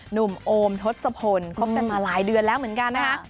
หนุ่มโอมทศพลคบกันมาหลายเดือนแล้วเหมือนกันนะคะ